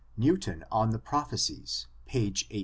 — Newton on the Prophecies, page 18.